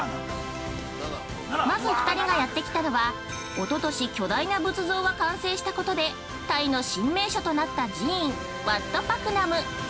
まず２人がやってきたのはおととし巨大な仏像が完成したことでタイの新名所となった寺院ワット・パクナム。